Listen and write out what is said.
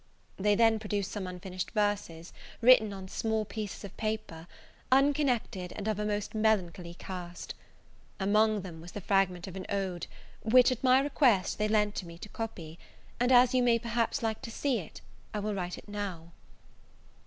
They then produced some unfinished verses, written on small pieces of paper, unconnected, and of a most melancholy cast. Among them was the fragment of an ode, which, at my request, they lent to me to copy; and as you may perhaps like to see it, I will write it now.